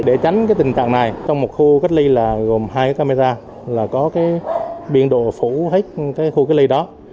để tránh tình trạng này trong một khu cách ly gồm hai camera có biện độ phủ hết khu cách ly đó